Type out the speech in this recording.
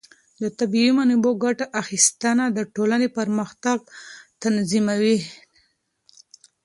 د طبیعي منابعو ګټه اخیستنه د ټولنې پرمختګ تضمینوي.